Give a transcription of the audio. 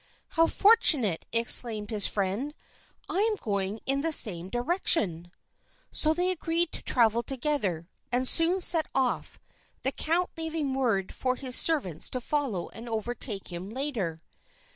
"How fortunate!" exclaimed his friend. "I am going in the same direction." So they agreed to travel together, and soon set off, the count leaving word for his servants to follow and overtake him later.